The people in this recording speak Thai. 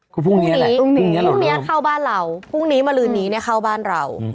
คือพรุ่งนี้พรุ่งนี้เข้าบ้านเราพรุ่งนี้มาลืนนี้เนี่ยเข้าบ้านเรา